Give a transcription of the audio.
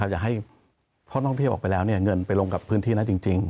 อยากให้พอท่องเที่ยวออกไปแล้วเงินไปลงกับพื้นที่นั้นจริง